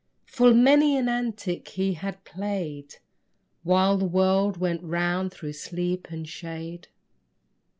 Full many an antic he had played While the world went round through sleep and shade.